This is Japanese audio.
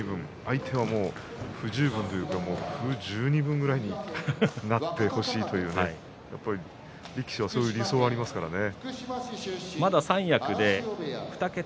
自分は十二分相手は不十分、不十二分くらいになってほしいという力士はそういう理想がありますからね。